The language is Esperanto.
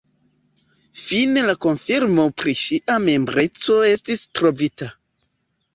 Fine la konfirmo pri ŝia membreco estis trovita.